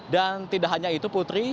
dan tidak hanya itu putri